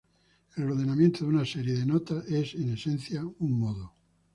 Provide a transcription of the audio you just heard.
El ordenamiento de una serie de notas es, en esencia, un modo.